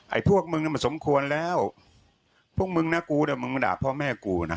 พวกมึงน่ะมันสมควรแล้วพวกมึงนะกูเดี๋ยวมึงมาด่าพ่อแม่กูนะ